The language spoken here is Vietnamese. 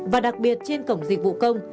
và đặc biệt trên cổng dịch vụ công